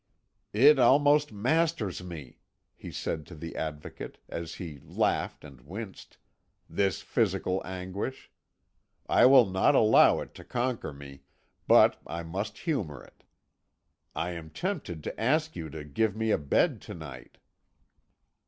"It almost masters me," he said to the Advocate, as he laughed and winced, "this physical anguish. I will not allow it to conquer me, but I must humour it. I am tempted to ask you to give me a bed to night."